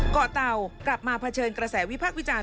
เตากลับมาเผชิญกระแสวิพักษ์วิจารณ